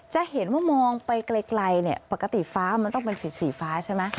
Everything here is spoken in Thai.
จะเห็นว่ามองไปไกลเนี่ยปกติฟ้ามันต้องเป็นสีฟ้าใช่ไหม